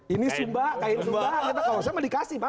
ini sumba kain sumba kalau sama dikasih